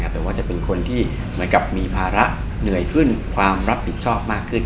แต่ว่าจะเป็นคนที่เหมือนกับมีภาระเหนื่อยขึ้นความรับผิดชอบมากขึ้น